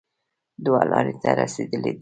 دوه لارې ته رسېدلی دی